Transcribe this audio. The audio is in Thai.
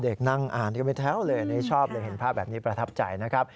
เด็กนั่งอ่านก็ไม่แท้วเลยชอบเลยเห็นภาพแบบนี้ประทับใจนะครับ